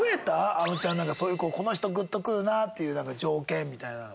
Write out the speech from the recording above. あのちゃんなんかそういうこの人グッとくるなっていう条件みたいなの。